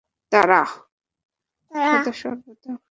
সদা-সর্বদা খুশি থাকা।